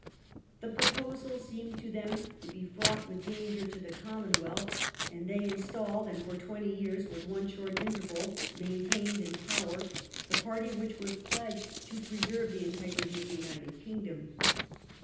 The proposal seemed to them to be fraught with danger to the Commonwealth, and they installed, and for twenty years, with one short interval, maintained in power the Party which was pledged to preserve the integrity of the United Kingdom.